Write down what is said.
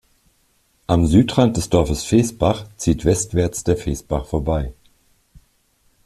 Am Südrand des Dorfes Feßbach zieht westwärts der Feßbach vorbei.